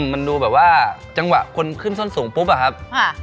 มันดูแบบว่าจังหวะคนขึ้นส้นสูงปุ๊บอะครับ